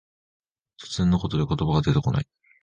突然のことで言葉が出てこない。